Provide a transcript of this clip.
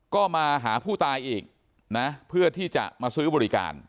ก็มาหาผู้ตายอีกนะเพื่อที่จะมาซื้อบริการ